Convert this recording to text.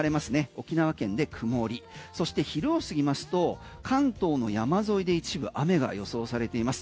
沖縄県で曇りそして昼を過ぎますと関東の山沿いで一部、雨が予想されています。